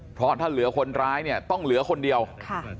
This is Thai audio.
เพราะถ้าเหลือคนร้ายเนี่ยต้องเหลือคนเดียวค่ะ